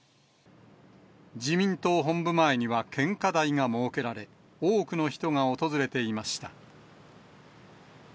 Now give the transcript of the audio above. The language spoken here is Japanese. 自民党本部前には献花台が設けられ、多くの人が訪れていました。